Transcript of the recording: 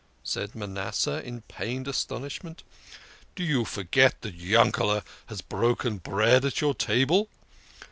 said Manasseh, in pained astonishment. " Do you forget that Yankel6 has broken bread at your table?